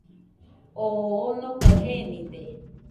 Oo onokaɨ jenide.